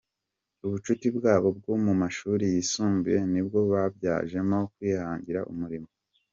Ubushuti bwabo bwo mu mashuri yisumbuye nibwo babyajemo kwihangira umurimo.